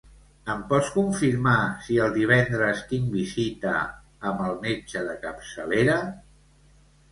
Em pots confirmar si el divendres tinc visita amb el metge de capçalera?